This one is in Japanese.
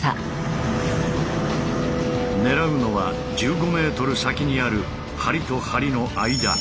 狙うのは１５ｍ先にある梁と梁の間。